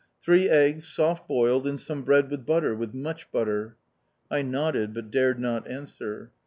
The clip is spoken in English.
"Three eggs, soft boiled, and some bread with butter, with much butter!" I nodded but dared not answer.